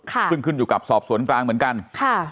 ขึ้นอยู่กับสอบสวนกลางเหมือนกันค่ะ